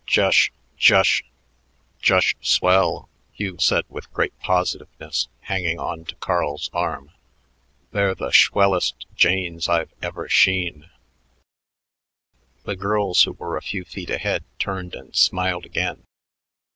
"Jush jush Jush swell," Hugh said with great positiveness, hanging on to Carl's arm. "They're the shwellest Janes I've ever sheen." The girls, who were a few feet ahead, turned and smiled again.